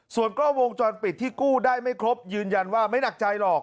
ส่วนกล้องวงจรปิดที่กู้ได้ไม่ครบยืนยันว่าไม่หนักใจหรอก